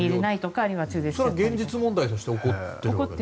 それは現実問題として起こっている？